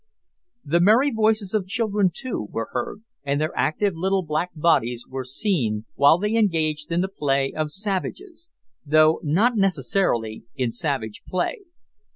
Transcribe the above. The merry voices of children, too, were heard, and their active little black bodies were seen, while they engaged in the play of savages though not necessarily in savage play.